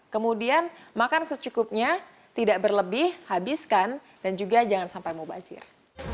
kemudian makan secukupnya tidak berlebih habiskan dan juga jangan sampai mau bazir